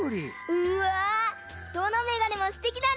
うわどのめがねもステキだね！